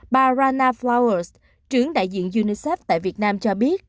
bà rana frowers trưởng đại diện unicef tại việt nam cho biết